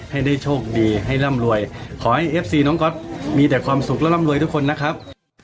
ให้ได้โชคดีให้ร่ำรวยขอให้เอฟซีน้องก๊อตมีแต่ความสุขและร่ำรวยทุกคนนะครับ